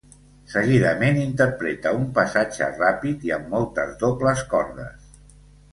Seguidament interpreta un passatge ràpid i amb moltes dobles cordes.